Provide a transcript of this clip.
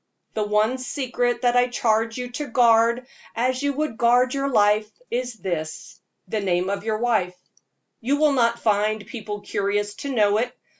The only secret that I charge you to guard as you would guard your life, is this the name of your wife. You will not find people curious to know it.